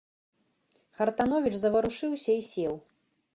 Хартановіч заварушыўся і сеў.